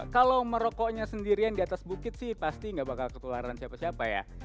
kalau merokoknya sendirian di atas bukit sih pasti nggak bakal ketularan siapa siapa ya